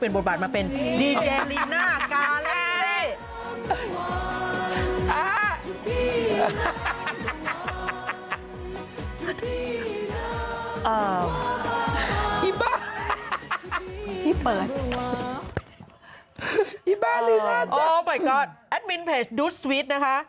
โอ้มายก๊อดแอดมินเพจดูสวีทนะคะ